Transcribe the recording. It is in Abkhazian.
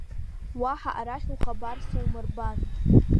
Уаҳа арахь ухабар сумырбан!